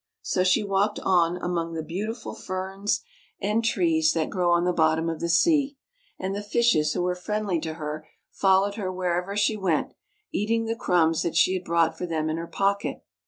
So she walked on among the beautiful ferns and THE CASTLE UNDER THE SEA trees that grow on the bottom of the sea, and the fishes who were friendly .to her followed her wherever she went, eating the crumbs that she had brought for them in her pocket.